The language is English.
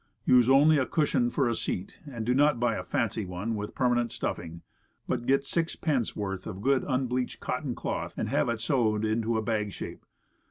Use only a cushion for seat, and do not buy a fancy one with permanent stuffing, but get sixpence worth of good, unbleached cotton cloth, and have it sewed into bag shape.